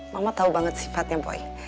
mama tahu banget sifatnya boy